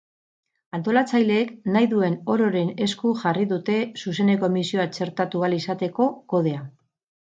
Antolatzaileek nahi duen ororen esku jarri dute zuzeneko emisioa txertatu ahal izateko kodea.